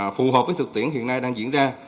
phù hợp với thực tiễn hiện nay đang diễn ra